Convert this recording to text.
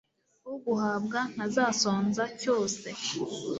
uguhabwa ntazasonza cyose